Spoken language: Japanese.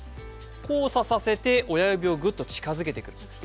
交差させて親指をぐっと近づけてください。